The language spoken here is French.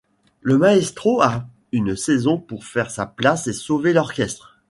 Le Maestro a une saison pour faire sa place et sauver l’orchestre.